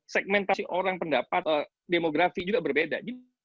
segmentasi orang pendapat demografi juga berbeda